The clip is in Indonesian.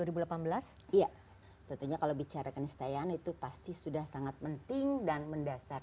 iya tentunya kalau bicara kenistayaan itu pasti sudah sangat penting dan mendasar